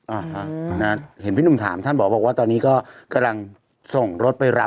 อ่าฮะนะเห็นพี่หนุ่มถามท่านบอกว่าตอนนี้ก็กำลังส่งรถไปรับ